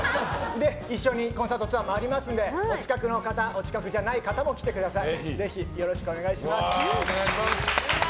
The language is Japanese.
コンサートツアーも回りますのでお近くの方、お近くじゃない方も来てください。